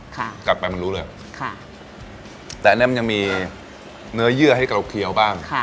กลับไปมันรู้เลยค่ะแต่อันนี้มันยังมีเนื้อเยื่อให้เราเคี้ยวบ้างค่ะ